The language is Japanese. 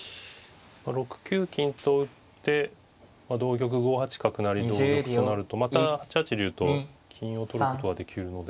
６九金と打って同玉５八角成同玉となるとまた８八竜と金を取ることができるので。